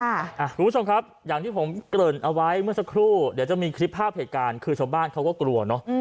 คุณผู้ชมครับอย่างที่ผมเกริ่นเอาไว้เมื่อสักครู่เดี๋ยวจะมีคลิปภาพเหตุการณ์คือชาวบ้านเขาก็กลัวเนอะ